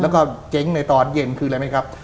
แล้วก็เจ๊งในตอนเย็นคืออะไรไหมครับ